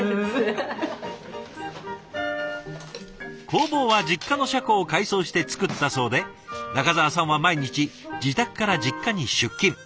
工房は実家の車庫を改装して作ったそうで仲澤さんは毎日自宅から実家に出勤。